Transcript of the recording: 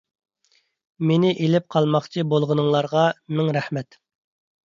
مېنى ئېلىپ قالماقچى بولغىنىڭلارغا مىڭ رەھمەت.